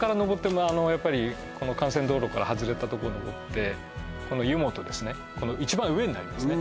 まああのやっぱりこの幹線道路から外れたとこを上ってこの湯本ですね一番上になりますね